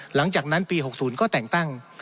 หลังจากนั้นปี๖๐ก็แต่งตั้ง